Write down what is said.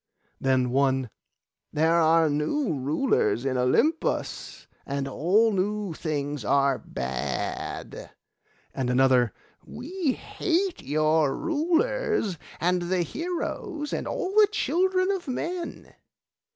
Then one, 'There are new rulers in Olympus, and all new things are bad.' And another, 'We hate your rulers, and the heroes, and all the children of men.